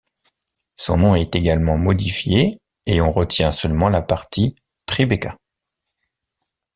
Son nom est également modifié et on retient seulement la partie Tribeca.